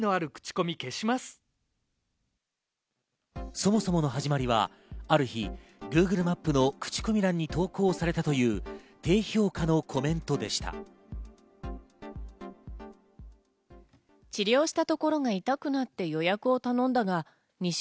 そもそもの始まりはある日、Ｇｏｏｇｌｅマップの口コミ欄に投稿されたという低評価のコメントでした。